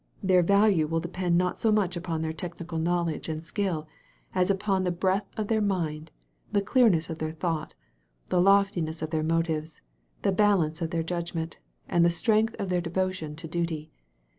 Their value will depend not so much upon their technical knowledge and skill as upon the breadth of their mind, the clear ijiess of their thought, the loftiness of their motives, the balance of their judgment, and the strength of their devotion to duty.